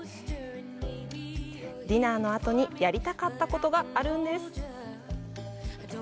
ディナーのあとにやりたかったことがあるんです。